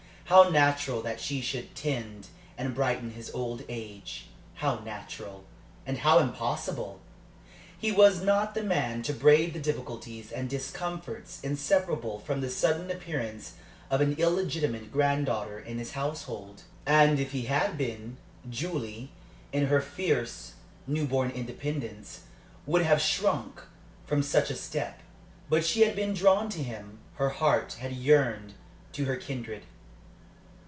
How natural that she should tend and brighten his old age how natural, and how impossible! He was not the man to brave the difficulties and discomforts inseparable from the sudden appearance of an illegitimate granddaughter in his household, and if he had been, Julie, in her fierce, new born independence, would have shrunk from such a step. But she had been drawn to him; her heart had yearned to her kindred.